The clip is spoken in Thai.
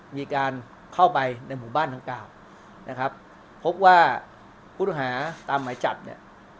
มีการเข้าไปในหมู่บ้านดังกล่าวนะครับพบว่าผู้ต้องหาตามหมายจับเนี่ย